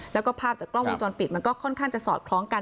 แล้วก็ภาพจากกล้องวงจรปิดมันก็ค่อนข้างจะสอดคล้องกัน